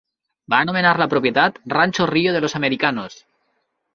Va anomenar la propietat "Rancho Rio de los Americanos".